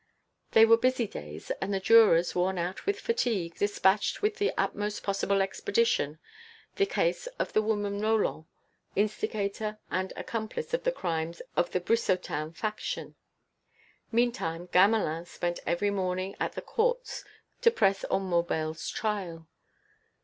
They were busy days; and the jurors, worn out with fatigue, despatched with the utmost possible expedition the case of the woman Roland, instigator and accomplice of the crimes of the Brissotin faction. Meantime Gamelin spent every morning at the Courts to press on Maubel's trial.